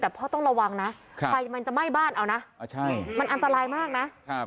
แต่พ่อต้องระวังนะไฟมันจะไหม้บ้านเอานะมันอันตรายมากนะครับ